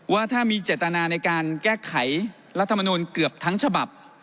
ว่าถ้ามีเจตนาในการแก้ไขรัฐมนูลเกือบทั้งฉบับ